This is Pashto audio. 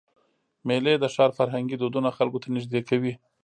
میلې د ښار فرهنګي دودونه خلکو ته نږدې کوي.